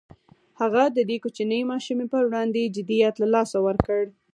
هغه د دې کوچنۍ ماشومې پر وړاندې جديت له لاسه ورکړ.